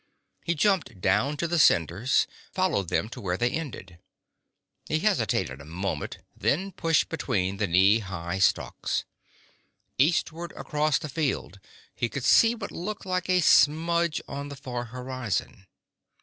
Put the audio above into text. He jumped down to the cinders, followed them to where they ended. He hesitated a moment, then pushed between the knee high stalks. Eastward across the field he could see what looked like a smudge on the far horizon.